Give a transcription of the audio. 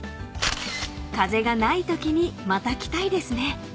［風がないときにまた来たいですね］